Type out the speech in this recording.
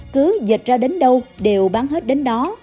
cứ dệt ra đến đâu đều bán hết đến đó